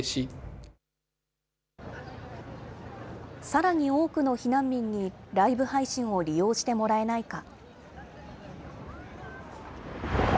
さらに多くの避難民にライブ配信を利用してもらえないか。